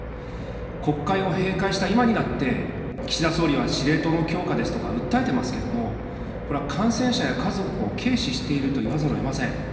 国会を閉会した今になって、岸田総理は司令塔の強化ですとか訴えてますけども、これは感染者や家族を軽視していると言わざるを得ません。